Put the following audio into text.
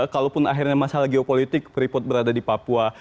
kalaupun akhirnya masalah geopolitik freeport berada di papua